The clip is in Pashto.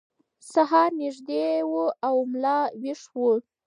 سهار نږدې و او ملا ویښ و.